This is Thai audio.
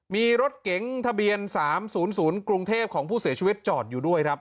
มีรถเก๋งทะเบียนสามศูนย์ศูนย์กรุงเทพฯของผู้เสียชีวิตจอดอยู่ด้วยครับ